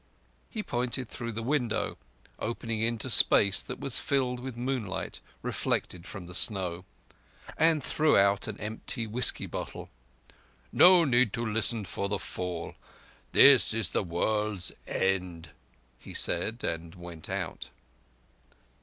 He pointed through the window—opening into space that was filled with moonlight reflected from the snow—and threw out an empty whisky bottle. "No need to listen for the fall. This is the world's end," he said, and went out.